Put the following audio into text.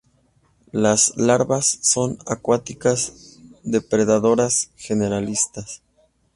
Las larvas son acuáticas depredadoras generalistas.